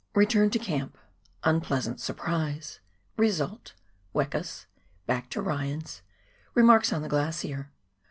Return to Camp — Unpleasant Surprise — Eesult — Wekas — Back to Ryan's — Remarks on the Glacier.